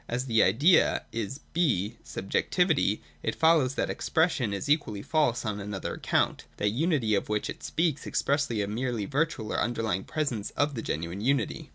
As the Idea is (6) subjectivity, it follows that the expres sion is equally false on another account. That unity of which it speaks expresses a merely virtual or underlying presence of the genuine unity.